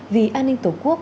về an ninh tổ quốc